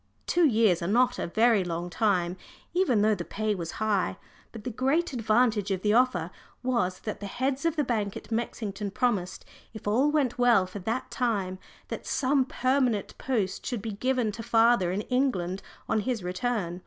Two years are not a very long time, even though the pay was high, but the great advantage of the offer was that the heads of the bank at Mexington promised, if all went well for that time, that some permanent post should be given to father in England on his return.